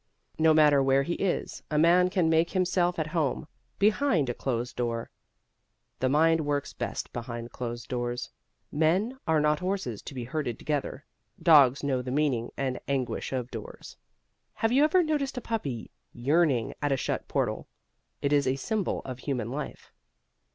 No matter where he is, a man can make himself at home behind a closed door. The mind works best behind closed doors. Men are not horses to be herded together. Dogs know the meaning and anguish of doors. Have you ever noticed a puppy yearning at a shut portal? It is a symbol of human life.